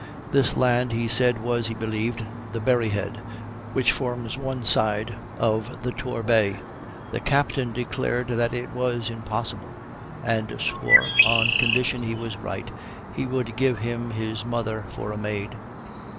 This land he said was, he believed, the Berry head, which forms one side of Torbay: the captain declared that it was impossible, and swore, on condition he was right, he would give him his mother for a maid.